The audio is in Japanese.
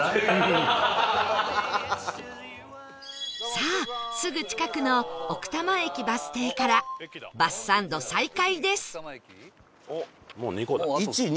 さあすぐ近くの奥多摩駅バス停からバスサンド再開です